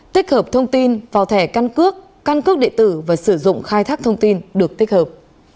tích hợp thông tin vào thẻ căn cước căn cước địa tử và sử dụng khai thác thông tin được tích hợp